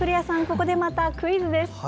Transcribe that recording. ここでまたクイズです！